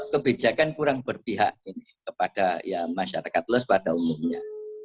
kebijakan kurang berpihak ini kepada masyarakat luas pada umumnya